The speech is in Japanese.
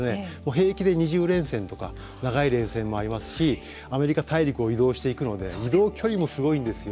平気で２０連戦とか長い連戦もありますしアメリカ大陸を移動していくので移動距離もすごいんですよ。